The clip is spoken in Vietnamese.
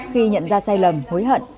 khi nhận ra sai lầm hối hận